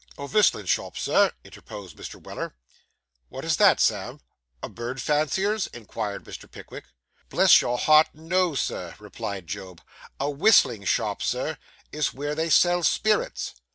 'A vistlin' shop, Sir,' interposed Mr. Weller. 'What is that, Sam? A bird fancier's?' inquired Mr. Pickwick. 'Bless your heart, no, Sir,' replied Job; 'a whistling shop, Sir, is where they sell spirits.